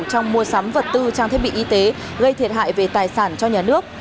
trong mua sắm vật tư trang thiết bị y tế gây thiệt hại về tài sản cho nhà nước